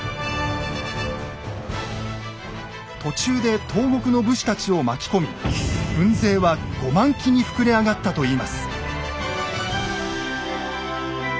途中で東国の武士たちを巻き込み軍勢は５万騎に膨れ上がったといいます。